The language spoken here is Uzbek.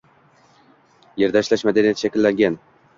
yerda ishlash madaniyati shakllangan